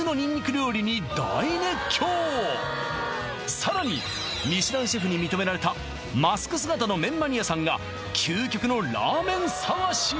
さらにミシュランシェフに認められたマスク姿の麺マニアさんが究極のラーメン探しへ